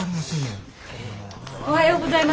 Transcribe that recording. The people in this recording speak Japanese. おはようございます。